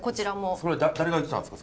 それ誰が言ってたんですか？